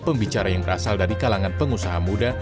pembicara yang berasal dari kalangan pengusaha muda